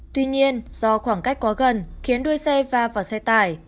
tuy nhiên do khoảng cách quá gần khiến đôi xe va vào xe tải